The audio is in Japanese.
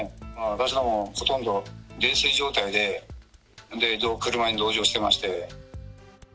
私ども、ほとんど泥酔状態で、車に同乗してまして。